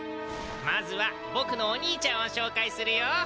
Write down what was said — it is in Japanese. まずはボクのお兄ちゃんをしょうかいするよ。